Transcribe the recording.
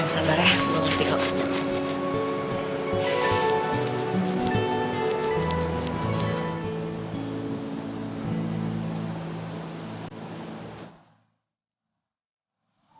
ayo sabar ya gue mau pergi kok